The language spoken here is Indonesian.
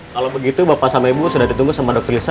kalau begitu bapak sama ibu sudah ditunggu sama dokter lisa